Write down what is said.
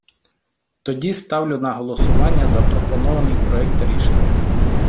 Тоді ставлю на голосування запропонований проект рішення!